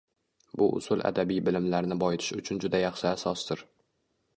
Bu usul adabiy bilimlarini boyitish uchun juda yaxshi asosdir